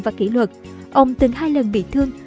và kỷ luật ông từng hai lần bị thương